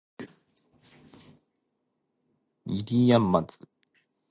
不入斗